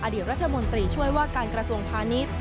อดีตรัฐมนตรีช่วยว่าการกระทรวงพาณิชย์